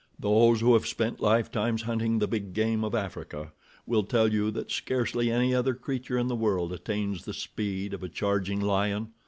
Those who have spent lifetimes hunting the big game of Africa will tell you that scarcely any other creature in the world attains the speed of a charging lion.